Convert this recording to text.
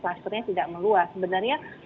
klasternya tidak meluas sebenarnya